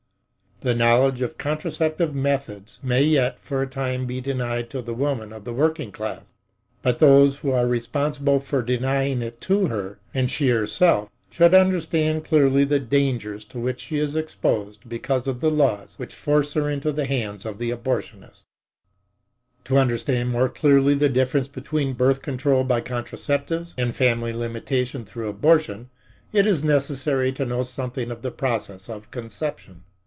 The knowledge of contraceptive methods may yet for a time be denied to the woman of the working class, but those who are responsible for denying it to her, and she herself, should understand clearly the dangers to which she is exposed because of the laws which force her into the hands of the abortionist. To understand the more clearly the difference between birth control by contraceptives and family limitation through abortion it is necessary to know something of the processes of conception.